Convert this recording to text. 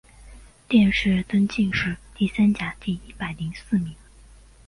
殿试登进士第三甲第一百零四名。